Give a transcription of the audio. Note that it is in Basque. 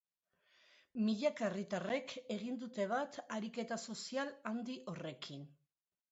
Milaka herritarrek egin dute bat ariketa sozial handi horrekin.